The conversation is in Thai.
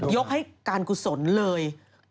ยกให้การกุศลเลย